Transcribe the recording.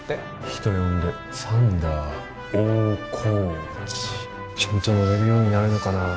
人呼んでサンダー大河内。ちゃんと乗れるようになるのかな。